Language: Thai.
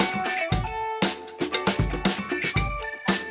เข้าแล้วเดี๋ยว